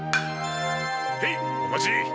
へいお待ち！